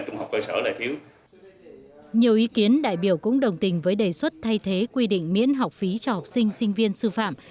nhiều ý kiến đại biểu cũng đồng tình với đề xuất thay thế quy định miễn học phí cho học sinh sinh viên sư phạm